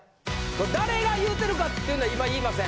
これ誰が言うてるかっていうのは今言いません。